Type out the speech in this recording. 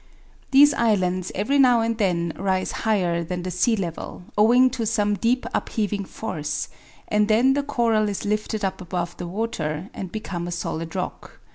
These islands every now and then rise higher than the sea level, owing to some deep upheaving force, and then the coral is lifted up above the water, and become a solid rock.